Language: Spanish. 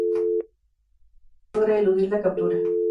Moretti logra eludir la captura.